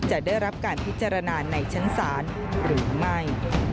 จะได้รับการพิจารณาในชั้นศาลหรือไม่